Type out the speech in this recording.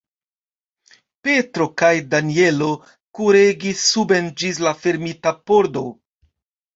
Petro kaj Danjelo kuregis suben ĝis la fermita pordo.